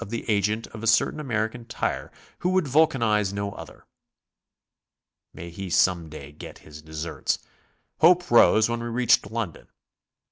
the agent of a certain American tire who would vulcanize no other. May he \siome day get his deserts! Hope rose when we reached London.